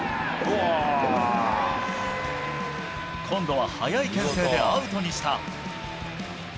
今度は早い牽制でアウトにした。